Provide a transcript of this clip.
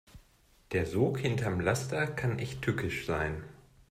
Der Sog hinterm Laster kann echt tückisch sein.